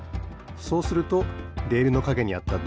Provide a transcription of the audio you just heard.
そうするとレールのかげにあったドミノ